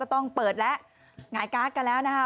ต้องเปิดแล้วหงายการ์ดกันแล้วนะคะ